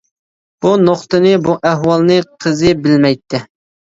بۇ نۇقتىنى، بۇ ئەھۋالنى قىزى بىلمەيتتى.